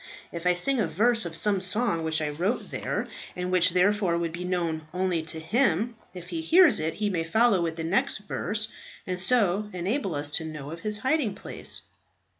If I sing a verse of some song which I wrote there and which, therefore, would be known only to him, if he hears it he may follow with the next verse, and so enable us to know of his hiding place."